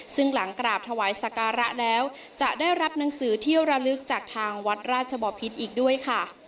ซึ่งหลังกราบถวายสการะแล้วจะได้รับหนังสือเที่ยวระลึกจากทางวัดราชบอพิษอีกด้วยค่ะ